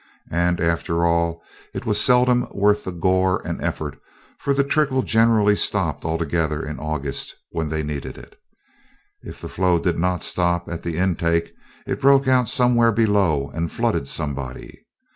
And, after all, it was seldom worth the gore and effort, for the trickle generally stopped altogether in August when they needed it. If the flow did not stop at the intake it broke out somewhere below and flooded somebody.